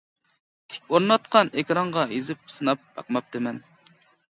تىك ئورناتقان ئېكرانغا يېزىپ سىناپ باقماپتىمەن.